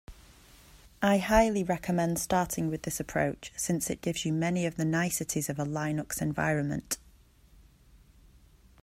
I highly recommend starting with this approach, since it gives you many of the niceties of a Linux environment.